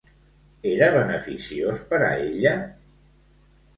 Era beneficiós per a ella?